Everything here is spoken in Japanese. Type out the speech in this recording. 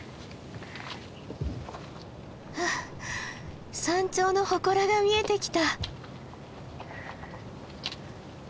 ふう山頂のほこらが見えてきた。